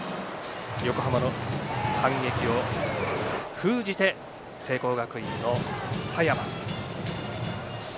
横浜の反撃を封じて聖光学院の佐山。